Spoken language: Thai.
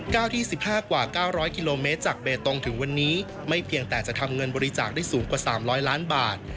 ก้าวที่๑๕กว่า๙๐๐กิโลเมตรจากเบตตรงถึงวันนี้ไม่เพียงแต่จะทำเงินบริจาคได้สูงกว่า๓๐๐ล้านบาท